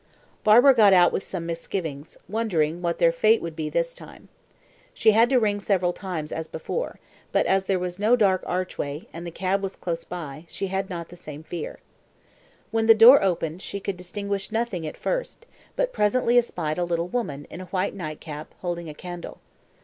Barbara got out with some misgivings, wondering what their fate would be this time. She had to ring several times as before; but as there was no dark archway, and the cab was close by, she had not the same fear. When the door opened, she could distinguish nothing at first, but presently espied a little woman, in a white nightcap, holding a candle.